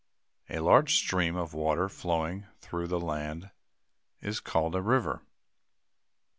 A large stream of water flowing through the land is called a river.